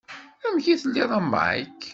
Amek i telliḍ a Mike?